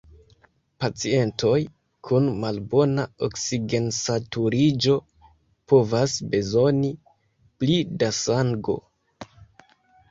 Pacientoj kun malbona oksigensaturiĝo povas bezoni pli da sango.